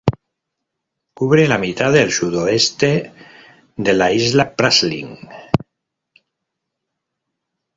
Cubre la mitad del sudoeste de la isla Praslin.